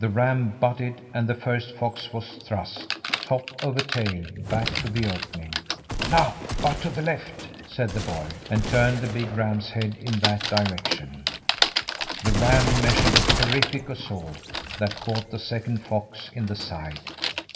The ram butted, and the first fox was thrust top over tail back to the opening. "Now butt to the left!" said the boy, and turned the big ram's head in that direction. The ram measured a terrific assault that caught the second fox in the side.